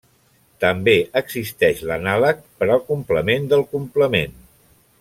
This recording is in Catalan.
També existeix l'anàleg per al complement del complement.